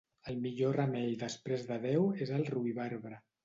El millor remei després de Déu és el ruibarbre.